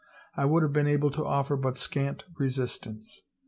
I would have been able to offer but scant resistance.